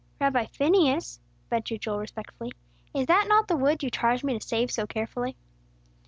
"Rabbi Phineas," ventured Joel, respectfully, "is that not the wood you charged me to save so carefully?"